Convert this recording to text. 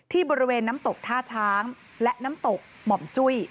ที่บริเวณน้ำตกท่าช้างและน้ำตกหม่อมจุ้ย